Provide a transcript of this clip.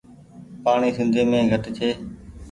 پآڻيٚ سندي مين گهٽ ڇي ۔